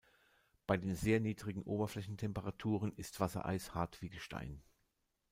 Bei den sehr niedrigen Oberflächentemperaturen ist Wassereis hart wie Gestein.